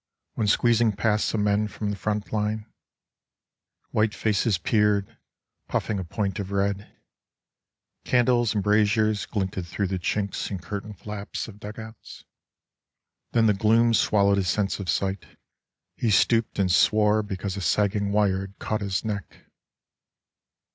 When squeezing past some men from the front line: White faces peered, puffing a point of red; Candles and braziers glinted through the chinks And curtain flaps of dug outs; then the gloom Swallowed his sense of sight; he stooped and swore Because a sagging wire had caught his neck.